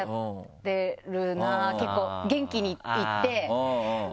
結構元気にいって。